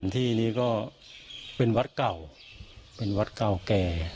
ที่นี่ก็เป็นวัดเก่าเป็นวัดเก่าแก่